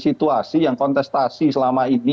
situasi yang kontestasi selama ini